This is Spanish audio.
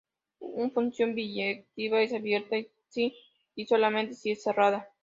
Un función biyectiva es abierta si y solamente si es cerrada.